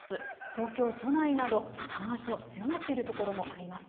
東京都内など雨足の強まっているところもあります。